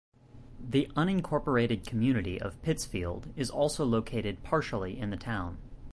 The unincorporated community of Pittsfield is also located partially in the town.